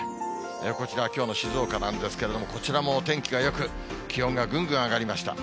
こちら、きょうの静岡なんですけれども、こちらもお天気がよく、気温がぐんぐん上がりました。